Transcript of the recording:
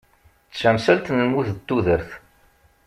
D tamsalt n lmut d tudert.